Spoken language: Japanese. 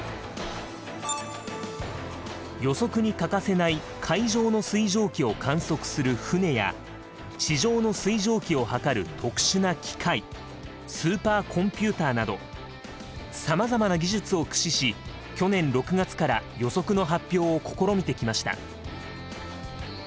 予測に欠かせない海上の水蒸気を観測する船や地上の水蒸気を測る特殊な機械スーパーコンピューターなどさまざまな技術を駆使し去年６月から予測の発表を試みてきました。